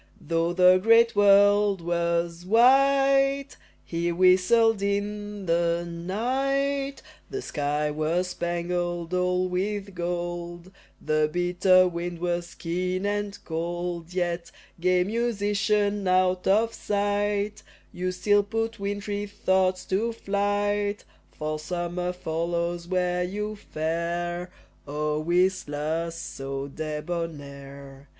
Though the great world was white, he whistled in the night The sky was spangled all with gold, The bitter wind was keen and cold, Yet, gay musician, out of sight, You still put wintry thoughts to flight, For summer follows where you fare, 0 Whistler, so debonair.